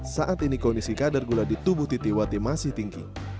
saat ini kondisi kadar gula di tubuh titi wati masih tinggi